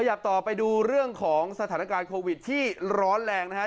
อยากต่อไปดูเรื่องของสถานการณ์โควิดที่ร้อนแรงนะครับ